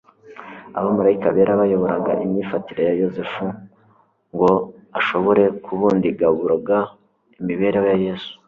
Abamaraika bera bayoboraga imyifatire ya Yosefu ngo ashobore kubundigaburuga imibereho ya Yesu.